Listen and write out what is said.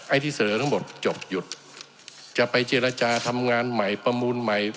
ที่เสนอทั้งหมดจบหยุดจะไปเจรจาทำงานใหม่ประมูลใหม่